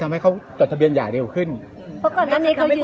ทำไมเกิดสิทธิ์จัดสินใจยอมจะพูดคุยกับพี่เขา